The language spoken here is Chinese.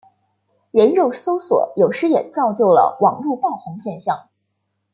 人肉搜索有时也造就了网路爆红现象。